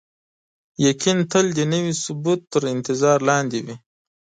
یقین تل د نوي ثبوت تر انتظار لاندې وي.